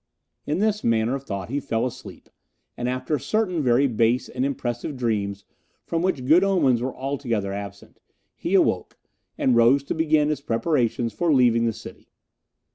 In this manner of thought he fell asleep, and after certain very base and impressive dreams, from which good omens were altogether absent, he awoke, and rose to begin his preparations for leaving the city.